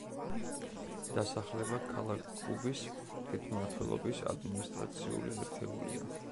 დასახლება ქალაქ გუბის თვითმმართველობის ადმინისტრაციული ერთეულია.